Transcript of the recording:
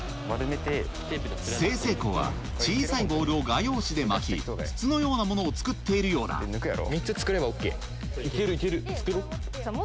済々黌は小さいボールを画用紙で巻き筒のようなものを作っているようだ行ける行ける作ろう。